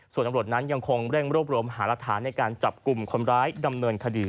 ส่วนตำรวจนั้นยังคงเร่งรวบรวมหารักฐานในการจับกลุ่มคนร้ายดำเนินคดี